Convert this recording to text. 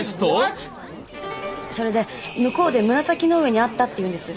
それで向こうで紫の上に会ったっていうんです。